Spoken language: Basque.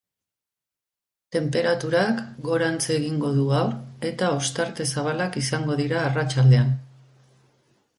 Tenperaturak gorantz egingo du gaur, eta ostarte zabalak izango dira arratsaldean.